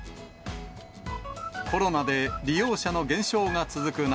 コロナで利用者の減少が続く中、